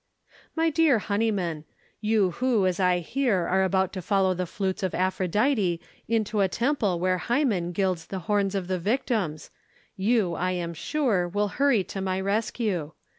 My dear Honeyman, you who, as I hear, are about to follow the flutes of Aphrodite into a temple where Hymen gilds the horns of the victims —you, I am sure, will hurry to my rescue.